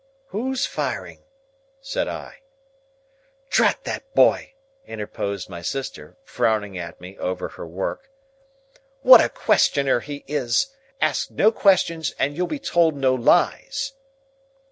"Who's firing?" said I. "Drat that boy," interposed my sister, frowning at me over her work, "what a questioner he is. Ask no questions, and you'll be told no lies."